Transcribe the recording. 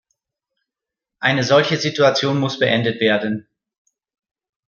Eine solche Situation muss beendet werden.